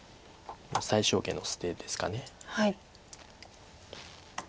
最小限の捨てですかね。